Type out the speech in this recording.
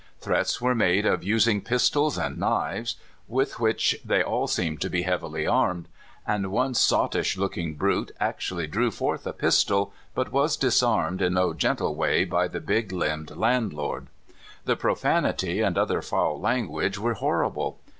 Threats w^ere made of using pistols and knives, with which they all seemed to be heavily armed; and one sottish looking brute actually drew forth a pistol, but was disarmed in no gentle way by the big limbed land lord. The profanit}" and other foul language were horrible.